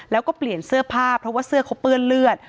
แล้วก็เปลี่ยนเสื้อผ้าเพราะว่าเสื้อเขาเปื้อนเลือด